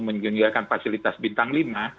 menggunakan fasilitas bintang lima